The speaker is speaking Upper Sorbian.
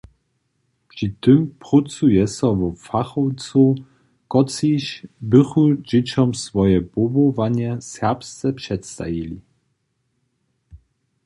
Při tym prócuje so wo fachowcow, kotřiž bychu dźěćom swoje powołanje serbsce předstajili.